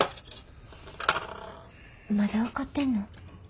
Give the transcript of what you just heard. まだ怒ってんの？